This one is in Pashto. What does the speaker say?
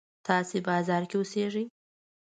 تاسې بازار کې اوسېږئ.